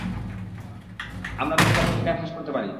আমরা বিষয়টা পত্রিকায় ফাঁস করতে পারি।